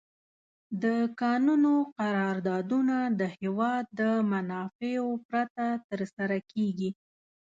د کانونو قراردادونه د هېواد د منافعو پرته تر سره کیږي.